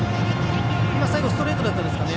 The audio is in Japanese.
今、最後ストレートだったですかね。